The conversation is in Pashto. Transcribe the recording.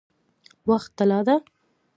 وخت طلا ده؟